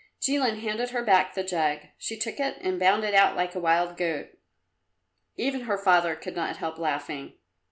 Jilin handed her back the jug. She took it and bounded out like a wild goat. Even her father could not help laughing.